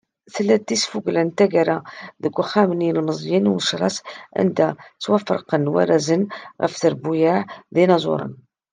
Tella-d tesfugla n taggara, deg uxxam n yilemẓiyen n Umecras, anda ttwaferqen warrazen ɣef trebbuyaɛ d yinaẓuren.